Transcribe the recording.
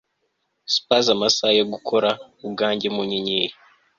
spurs amasaha yo gukora ubwanjye mu nyenyeri